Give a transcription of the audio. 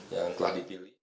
yang telah dipilih